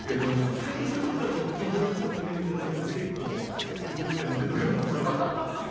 タイトル戦のときだと前日とかにメニューを頂くので、結構、５分ぐらい見ていたりとか、そういう。